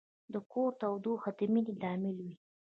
د کور تودوخه د مینې له امله وي.